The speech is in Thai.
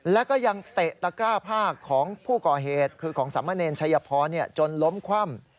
และร่างแตะตะกล้าภาคของผู้ก่อเหตุจนล้มคว่ำ